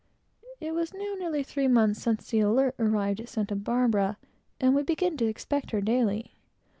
It was now nearly three months since the Alert arrived at Santa Barbara, and we began to expect her daily.